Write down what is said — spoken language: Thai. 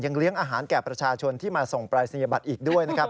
เลี้ยงอาหารแก่ประชาชนที่มาส่งปรายศนียบัตรอีกด้วยนะครับ